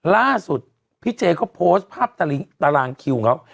ล่าสุดพี่เจเขาโพสต์ภาพตารางคิวของเขา